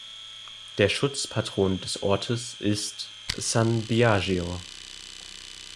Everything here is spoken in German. Der Schutzpatron des Ortes ist "San Biagio".